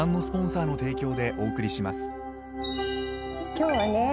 今日はね